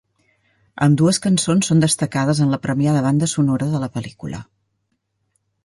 Ambdues cançons són destacades en la premiada banda sonora de la pel·lícula.